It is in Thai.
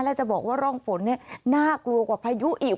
แล้วจะบอกว่าร่องฝนน่ากลัวกว่าพายุอีก